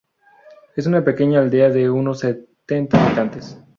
Es una pequeña aldea de unos setenta habitantes.